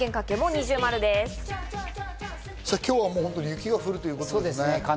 今日は雪が降るということですね。